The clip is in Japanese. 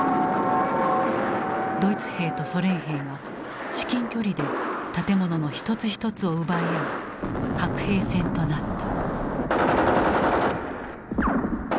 ドイツ兵とソ連兵が至近距離で建物の一つ一つを奪い合う白兵戦となった。